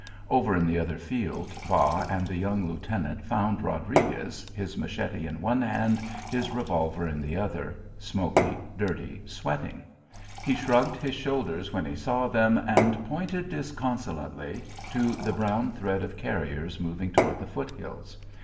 Over in the other field, Bas and the young lieutenant found Rodriguez, his machete in one hand, his revolver in the other, smoky, dirty, sweating. He shrugged his shoulders when he saw them and pointed disconsolately to the brown thread of carriers moving toward the foot hills.